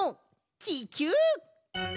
ききゅう！